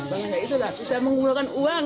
bangga itu lah bisa menggunakan uang